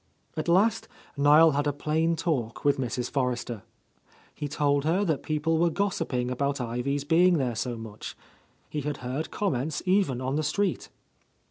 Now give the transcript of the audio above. At last Niel had a plain talk with Mrs. For rester. He told her that people were gossiping about Ivy's being there so much. He had heard comments even on the street.